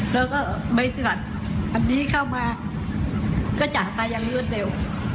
แล้วก็ไม่เสือดอันนี้เข้ามาก็จะตายอย่างเลือดเร็ว